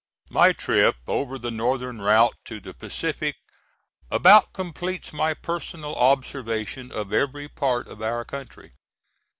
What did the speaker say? My trip over the northern route to the Pacific about completes my personal observation of every part of our country.